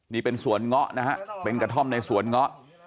นี่เป็นสวนเงาะนะฮะเป็นกระท่อมในสวนเงาะ